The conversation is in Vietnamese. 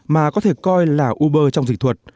mà có thể coi là uber trong dịch thuật